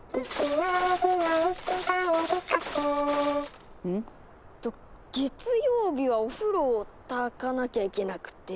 えっと月曜日はおふろを焚かなきゃいけなくて。